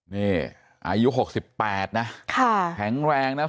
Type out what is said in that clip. นี่อายุ๖๘นะแข็งแรงนะ